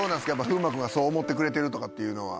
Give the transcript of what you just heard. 風磨君がそう思ってくれてるとかっていうのは。